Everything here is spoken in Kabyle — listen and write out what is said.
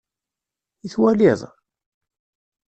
I twaliḍ?